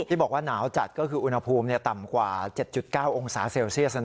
ที่บอกว่าหนาวจัดก็คืออุณหภูมิต่ำกว่า๗๙องศาเซลเซียส